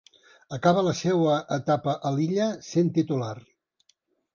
Acaba la seua etapa a l'illa sent titular.